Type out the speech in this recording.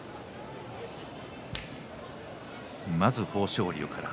まず豊昇龍から。